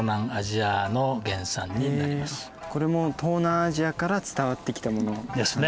これも東南アジアから伝わってきたものなんですね。ですね。